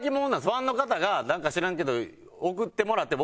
ファンの方がなんか知らんけど送ってもらって。